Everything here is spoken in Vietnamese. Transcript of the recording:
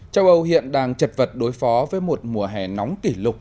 châu âu hiện đang chật vật đối phó với một mùa hè nóng kỷ lục